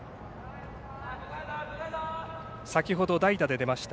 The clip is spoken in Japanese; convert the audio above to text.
先ほど代打で出ました